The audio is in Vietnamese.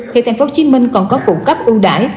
thì tp hcm còn có phụ cấp ưu đải